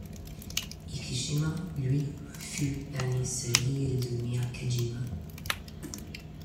Ikushima, lui, fut banni sur l'île de Miyakejima.